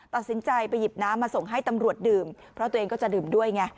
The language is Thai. ตัดสินใจไปหยิบน้ำมาส่งให้ตำรวจดื่มเพราะตัวเองก็จะดื่มด้วยไง